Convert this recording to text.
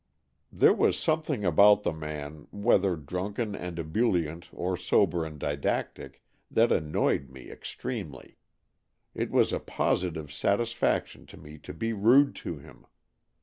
There was something about the man, whether drunken and ebullient, or sober and didactic, that annoyed me extremely. It was a posi tive satisfaction to me to be rude to him.